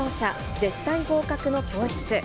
絶対合格の教室。